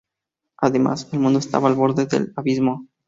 Además, el mundo estaba al borde del abismo.